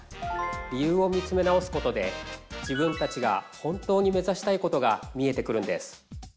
理由を見つめ直すことで自分たちが本当に目指したいことが見えてくるんです。